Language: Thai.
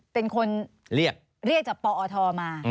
เป็นคนเรียกจากปอทมา